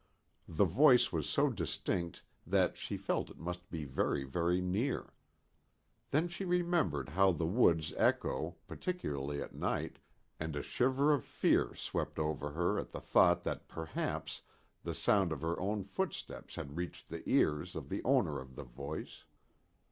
The voice was so distinct that she felt it must be very, very near. Then she remembered how the woods echo, particularly at night, and a shiver of fear swept over her at the thought that perhaps the sound of her own footsteps had reached the ears of the owner of the voice.